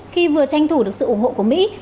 khi vừa tranh thủ được sự ủng hộ của mỹ